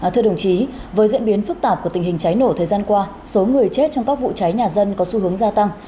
thưa đồng chí với diễn biến phức tạp của tình hình cháy nổ thời gian qua số người chết trong các vụ cháy nhà dân có xu hướng gia tăng